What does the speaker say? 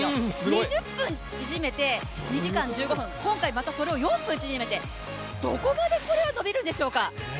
２０分縮めて、２時間１５分、今回それを４分縮めてどこまでこれは伸びるんでしょうか？